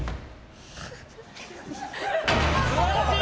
素晴らしい！